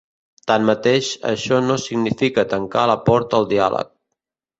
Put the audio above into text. Tanmateix, això no significa tancar la porta al diàleg.